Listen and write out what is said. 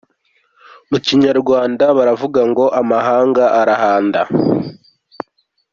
Mu Kinyarwanda baravuga ngo "amahanga arahanda".